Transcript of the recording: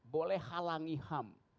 boleh halangi ham